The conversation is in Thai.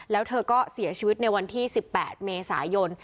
แล้วเธอก็เสียชีวิตในวันที่๑๘เมษายน